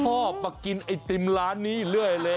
พ่อมากินไอติมร้านนี้เรื่อยเลย